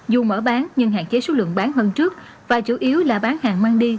dù mở bán nhưng hạn chế số lượng bán hơn trước và chủ yếu là bán hàng mang đi